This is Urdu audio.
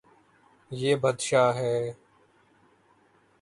یے بدشاہ ہے